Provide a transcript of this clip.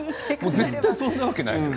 絶対そんなわけないから。